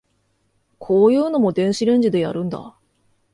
こういうのも電子レンジでやるんだ